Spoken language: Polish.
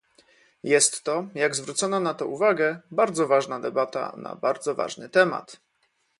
Jest to, jak zwrócono na to uwagę, bardzo ważna debata na bardzo ważny temat